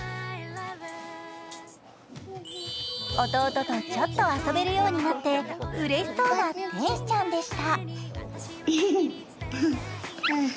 弟とちょっと遊べるようになって、うれしそうな天使ちゃんでした。